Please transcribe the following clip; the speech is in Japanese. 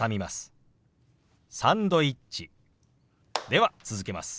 では続けます。